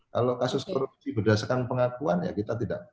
kalau kasus korupsi berdasarkan pengakuan ya kita tidak